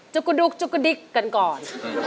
จุกกูดุกจุกกูดิกกันก่อน